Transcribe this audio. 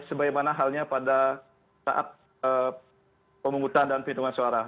sebagaimana halnya pada saat pemungutan dan hitungan suara